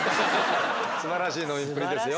すばらしい飲みっぷりですよ。